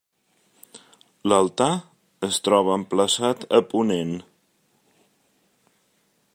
L'altar es troba emplaçat a ponent.